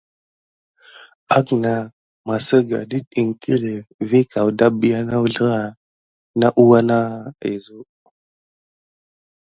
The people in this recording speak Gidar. Aknah maserga det iŋklé vi kawda bia uzrlah na uwa na yezu.